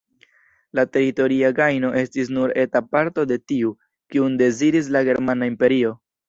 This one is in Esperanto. La teritoria gajno estis nur eta parto de tiu, kiun deziris la germana imperio.